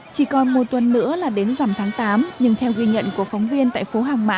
chỉ còn một tuần nữa là đến giảm tháng tám nhưng theo ghi nhận của phóng viên tại phố hàng mã